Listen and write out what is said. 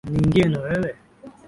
Niingie na wewe.